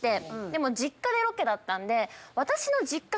でも実家でロケだったんで。